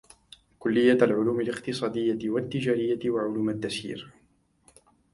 كلية العلوم الإقتصادية والتجارية وعلوم التسيير